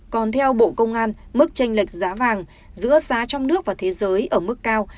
còn theo bộ công an mức tranh lệch giá vàng giữa giá trong nước và thế giới ở mức cao